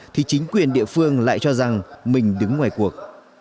thì chính quyền địa phương lại cho rằng mình đứng ngoài cuộc